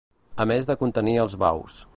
A més de contenir els baus.